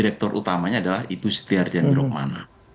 direktur utamanya adalah ibu siti ardianti rukmana